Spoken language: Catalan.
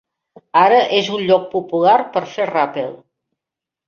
Ara és un lloc popular per fer ràpel.